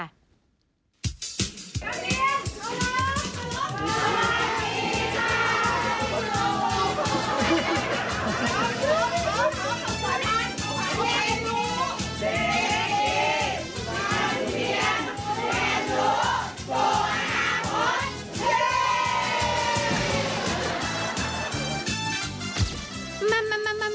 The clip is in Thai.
โหวอาราพบน